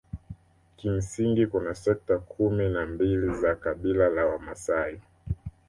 Kimsingi kuna sekta kumi na mbili za kabila la Wamasai